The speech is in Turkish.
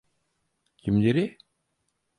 Kimleri?